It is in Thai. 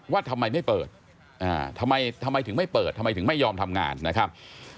ว่าทำไมไม่เปิดทำไมถึงไม่เปิดทำไมถึงไม่ยอมทำงานนะครับ